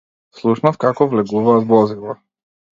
Слушнав како влегуваат возила.